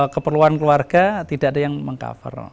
keperluan keluarga tidak ada yang mengkaitkan